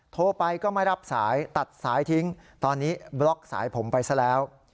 โทรไปก็ไม่รับสายตัดสายทิ้งตอนนี้บล็อกสายผมไปซะแล้ว